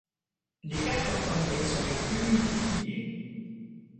Les quatre premiers sont les plus multipliés.